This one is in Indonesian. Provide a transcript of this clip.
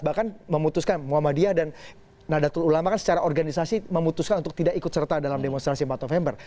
bahkan memutuskan muhammadiyah dan nadatul ulama kan secara organisasi memutuskan untuk tidak ikut serta dalam demonstrasi empat november